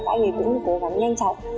các anh ấy cũng cố gắng nhanh chóng